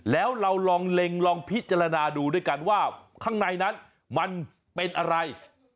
แล้วเราลองเล็งลองพิจารณาดูด้วยกันว่าข้างในนั้นมันเป็นอะไร